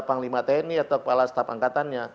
panglima tni atau kepala staf angkatannya